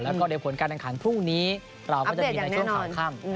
แล้วก็เรียนผลการแข่งขันพรุ่งนี้อัปเดตอย่างแน่นอนเราก็จะมีในช่วงข่างข้างอืม